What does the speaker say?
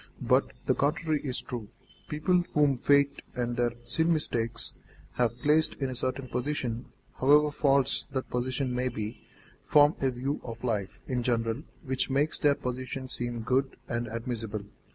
But the contrary is true. People whom fate and their sin mistakes have placed in a certain position, however false that position may be, form a view of life in general which makes their position seem good and admissible.